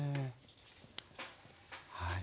はい。